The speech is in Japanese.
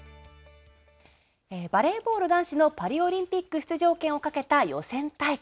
バレーボール男子のパリオリンピック出場権をかけた予選大会。